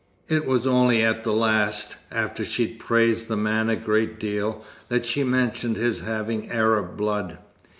It was only at the last, after she'd praised the man a great deal, that she mentioned his having Arab blood.